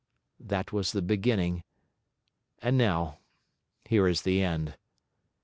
That was the beginning, and now here is the end.